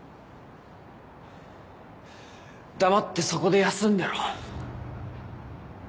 黙ってそこで休んでろ。